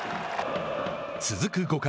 続く５回。